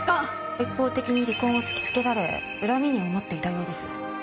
一方的に離婚を突きつけられ恨みに思っていたようです。